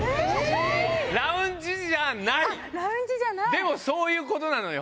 でもそういうことなのよ。